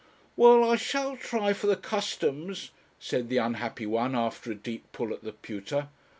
'Well, I shall try for the Customs,' said the unhappy one, after a deep pull at the pewter.